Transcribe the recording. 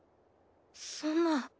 そんな。